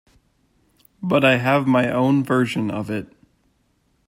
But I have my own version of it.